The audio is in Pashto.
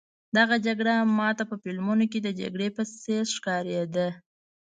دغه جګړه ما ته په فلمونو کې د جګړې په څېر ښکارېده.